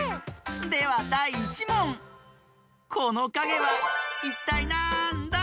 ではだい１もんこのかげはいったいなんだ？